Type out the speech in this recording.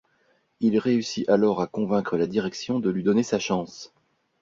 Il réussit alors à convaincre la direction de lui donner sa chance.